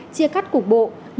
chia cắt cục bộ